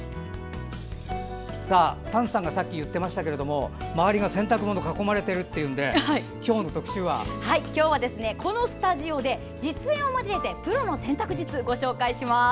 丹さんがさっき言ってましたけど周り、洗濯物に囲まれてるっていうので今日の特集は？今日はこのスタジオで実演を交えてプロの洗濯術ご紹介します。